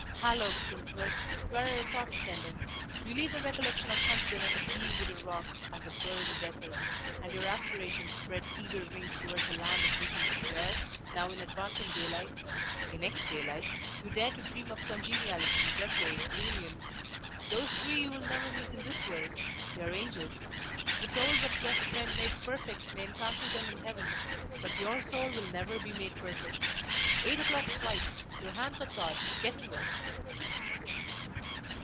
Hello, Crimsworth! where are your thoughts tending? You leave the recollection of Hunsden as a bee would a rock, as a bird a desert; and your aspirations spread eager wings towards a land of visions where, now in advancing daylight in X daylight you dare to dream of congeniality, repose, union. Those three you will never meet in this world; they are angels. The souls of just men made perfect may encounter them in heaven, but your soul will never be made perfect. Eight o'clock strikes! your hands are thawed, get to work!"